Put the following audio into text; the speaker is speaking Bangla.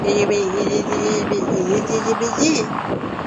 আমি আর এম্বারের পাছার লোম।